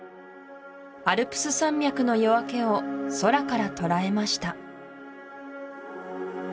アルプス山脈の夜明けを空からとらえました